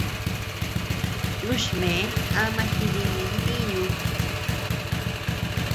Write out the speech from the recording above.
Yuchme ama jidi ntiñu.